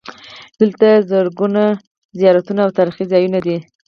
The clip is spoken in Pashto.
دلته زرګونه زیارتونه او تاریخي ځایونه دي.